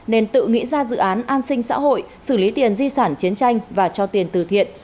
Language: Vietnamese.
nên tự nghĩ ra dự án an sinh xã hội xử lý tiền di sản chiến tranh và cho tiền từ thiện